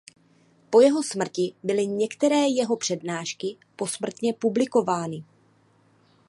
Po jeho smrti byly některé jeho přednášky posmrtně publikovány.